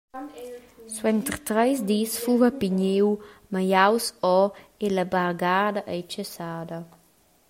Suenter treis dis fuva Pigniu magliaus ora e la bargada ei tschessada.